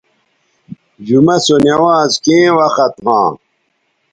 جمعہ سو نوانز کیں وخت ھاں